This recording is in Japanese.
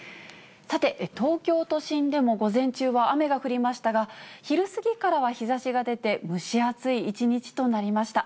さて、東京都心でも午前中は雨が降りましたが、昼過ぎからは日ざしが出て、蒸し暑い一日となりました。